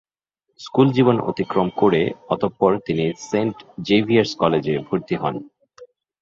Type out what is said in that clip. School জীবন অতিক্রম করে অতঃপর তিনি সেন্ট জেভিয়ার্স কলেজে ভর্তি হন।